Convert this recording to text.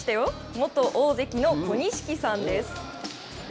元大関の小錦さんです。